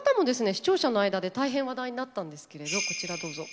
視聴者の間で大変話題になったんですけれどこちらどうぞ。